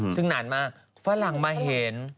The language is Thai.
ซึ่งนานมากฝรั่งมาเห็น